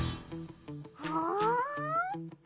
ふん！